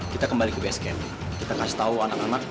kita kembali ke basecamp kita kasih tau anak anak